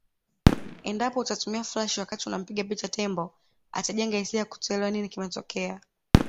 Endapo utatumia flash wakati unampiga picha tembo atajenga hisia ya kutoelewa nini kimetokea